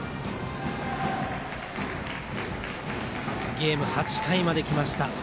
ゲーム８回まできました。